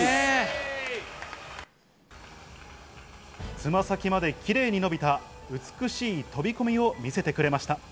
つま先までキレイに伸びた美しい飛び込みを見せてくれました。